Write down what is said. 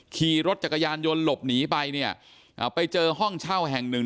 ขี่รถจักรยานยนต์หลบหนีไปเนี่ยอ่าไปเจอห้องเช่าแห่งหนึ่ง